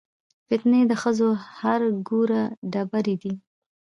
فتنې د ښځو هر ګوره ډېرې دي